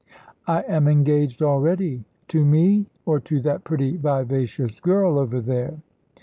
"I am engaged already." "To me, or to that pretty, vivacious girl over there?"